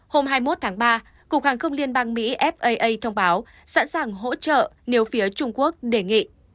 hôm hai mươi một tháng ba cục hàng không liên bang mỹ faa thông báo sẵn sàng hỗ trợ nếu phía trung quốc đề nghị